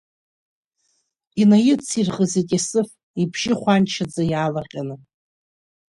Инаицирӷызит Есыф, ибжьы хәанчаӡа, иаалырҟьаны.